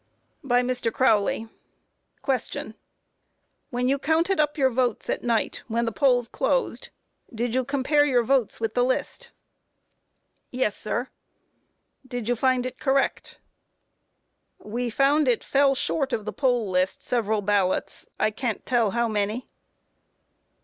By MR. CROWLEY: Q. When you counted up your votes at night, when the polls closed, did you compare your votes with the list? A. Yes, sir. Q. Did you find it correct? A. We found it fell short of the poll list several ballots; I can't tell how many.